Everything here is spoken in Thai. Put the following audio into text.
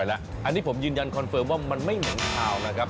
อันนี้ผมยืนยันคอนเฟิร์มว่ามันไม่เหม็นคาวนะครับ